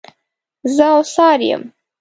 زه اوڅار یم.